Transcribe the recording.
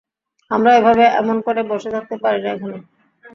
আমরা এভাবে এমন করে বসে থাকতে পারি না এখানে।